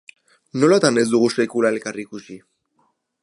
Nolatan ez dugu sekula elkar ikusi?